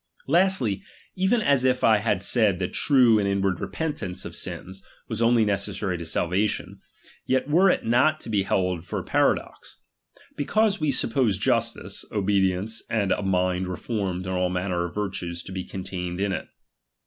Lastljr, even as if T had said ^U that true and inward repentance of sins was only necessary to ^M salvation, jet were it not to be held for a paradox ; because we ^M auppose Justice, obedience, and a mitjd reformed in all manner of ^| virtues to be contained in it.